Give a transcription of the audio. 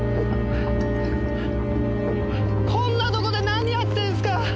こんなとこで何やってんですか？